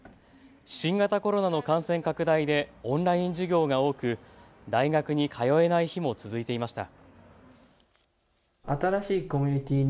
新型コロナの感染拡大でオンライン授業が多く大学に通えない日も続いていました。